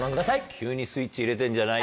急にスイッチ入れてんじゃないよ。